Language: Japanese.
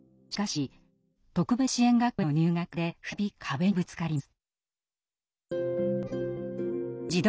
しかし特別支援学校への入学で再び壁にぶつかります。